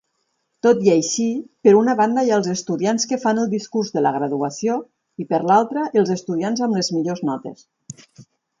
Tot i així, per una banda hi ha els estudiants que fan el discurs de la graduació i, per l'altra, els estudiants amb les millors notes.